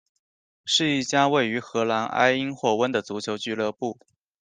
是一家位于荷兰埃因霍温的足球俱乐部。